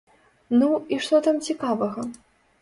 Ну, і што там цікавага?